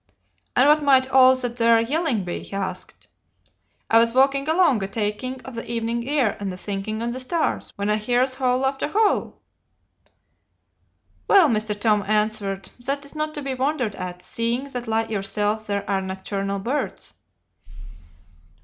"'And what might all that there yelling be?' he asked. 'I was walking along, a taking of the evening air and a thinking on the stars, when I 'ears 'owl after 'owl.' "'Well, Mr. Tom,' I answered, 'that is not to be wondered at, seeing that like yourself they are nocturnal birds.